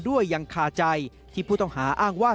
ยังคาใจที่ผู้ต้องหาอ้างว่า